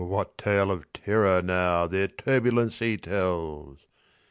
What a tale of terror now their turbulency tells!